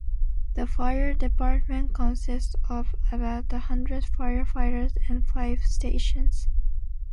The Fire department consists of about a hundred firefighters and five stations.